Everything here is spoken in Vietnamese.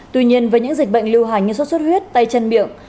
tuy nhiên với những dịch bệnh lưu hành như suất suất huyết tay chân miệng